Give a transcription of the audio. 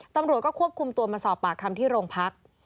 ตำรวจก็ควบคุมตัวมาสอบปากคำที่โรงพัก